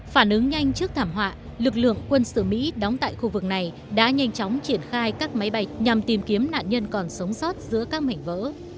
phản ứng nhanh trước thảm họa lực lượng quân sự mỹ đóng tại khu vực này đã nhanh chóng triển khai các máy bay nhằm tìm kiếm nạn nhân còn sống sót giữa các mảnh vỡ